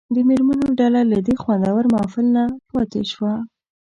د مېرمنو ډله له دې خوندور محفل نه پاتې شوه.